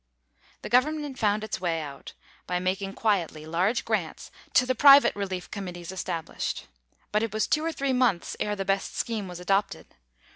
The government found its way out by making quietly large grants to the private relief committees established. But it was two or three months ere the best scheme was adopted.